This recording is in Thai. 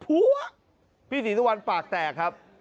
พี่ศรีสุวรรณปากแตกครับ